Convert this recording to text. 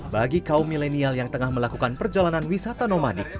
bagi kaum milenial yang tengah melakukan perjalanan wisata nomadik